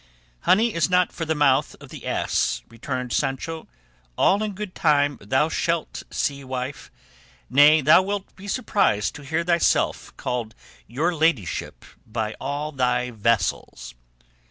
"Honey is not for the mouth of the ass," returned Sancho; "all in good time thou shalt see, wife nay, thou wilt be surprised to hear thyself called 'your ladyship' by all thy vassals."